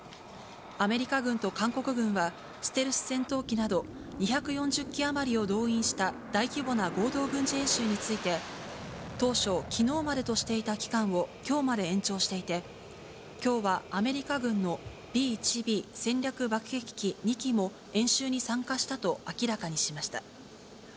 アメリカ軍と韓国軍は、ステルス戦闘機など２４０機余りを動員した大規模な合同軍事演習について、当初、きのうまでとしていた期間をきょうまで延長していて、きょうはアメリカ軍のＢ１Ｂ戦略爆撃機２機も演習に参加したと明らかにしました。